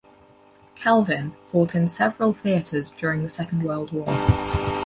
"Kelvin" fought in several theatres during the Second World War.